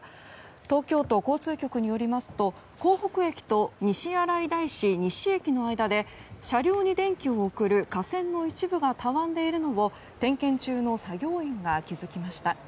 東京都交通局によりますと江北駅と西新井大師西駅の間で車両に電気を送る架線の一部がたわんでいるのを点検中の作業員が気付きました。